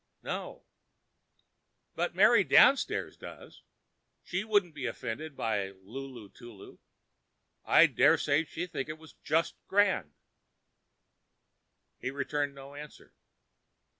"No." "But Mary downstairs does. She wouldn't be offended at 'Lulu Tulu.' I dare say she'd think it 'just grand.'" He returned no answer.